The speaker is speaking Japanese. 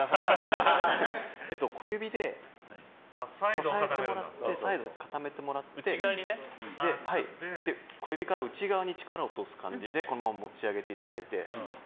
小指で支えてもらって最後に固めてもらって小指から内側に力を通す感じで持ち上げていただいて。